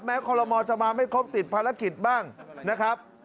คอลโมจะมาไม่ครบติดภารกิจบ้างนะครับ